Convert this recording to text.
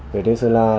về đến sơn la